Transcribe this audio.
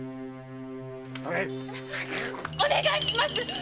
お願いします！